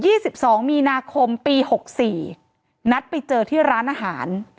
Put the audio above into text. สิบสองมีนาคมปีหกสี่นัดไปเจอที่ร้านอาหาร